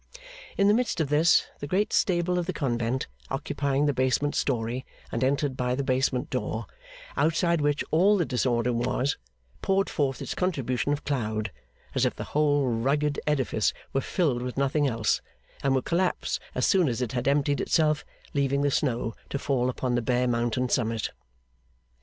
In the midst of this, the great stable of the convent, occupying the basement story and entered by the basement door, outside which all the disorder was, poured forth its contribution of cloud, as if the whole rugged edifice were filled with nothing else, and would collapse as soon as it had emptied itself, leaving the snow to fall upon the bare mountain summit.